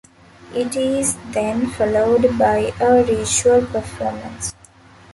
It is then followed by a ritual performance.